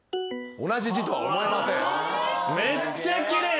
同じ字とは思えません。